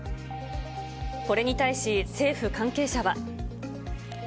これに対し、政府関係者は。